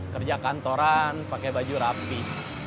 kerja kantoran pakai baju rapih